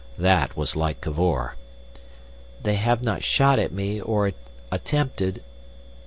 That was like Cavor. "They have not shot at me or attempted...